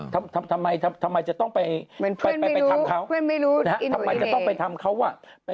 เข้ามาทำไมจะต้องไปทำเขาว่าทำไมจะต้องไปทำเขาว่า